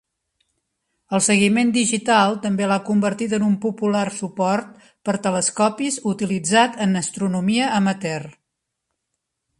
El seguiment digital també l'ha convertit en un popular suport per telescopis utilitzat en astronomia amateur.